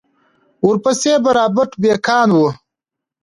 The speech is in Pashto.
ورپسې به رابرټ بېکان و.